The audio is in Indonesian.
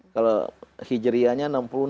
kalau hijriahnya enam puluh enam